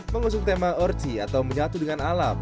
mengusung tema orchi atau menyatu dengan alam